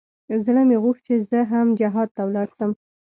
زړه مې غوښت چې زه هم جهاد ته ولاړ سم.